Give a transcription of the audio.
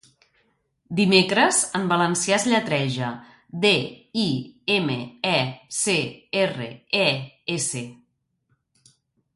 'Dimecres' en valencià es lletreja: de, i, eme, e, ce, erre, e, esse.